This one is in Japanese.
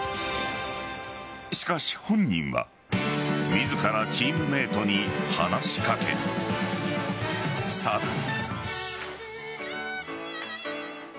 しかし、本人は自らチームメイトに話し掛けさらに。